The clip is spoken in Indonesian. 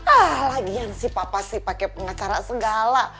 ah lagian sih papa sih pakai pengacara segala